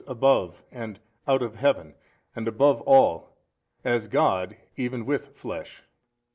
above and out of Heaven and above all as God even with flesh.